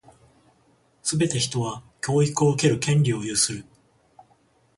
すべて人は、教育を受ける権利を有する。